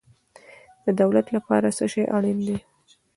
د دولت لپاره څه شی اړین دی؟